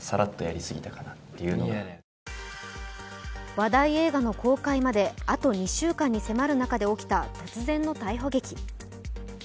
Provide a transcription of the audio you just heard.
話題映画の公開まであと２週間に迫る中で起きた突然の逮捕劇。